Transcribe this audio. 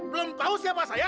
belum tahu siapa saya